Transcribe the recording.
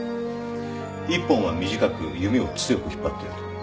１本は短く弓を強く引っ張っている。